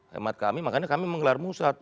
hemat kami makanya kami menggelar musat